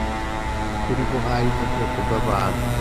'Kuri bo harimo ubwoko bw'abantu